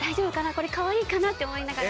これ可愛いかな？って思いながら。